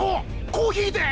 コーヒーで！